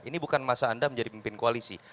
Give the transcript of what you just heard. ini bukan masa anda menjadi pemimpin koalisi